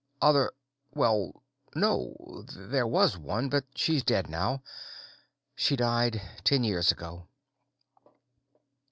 "Other ? Well, no. There was one, but she's dead now. She died ten years ago."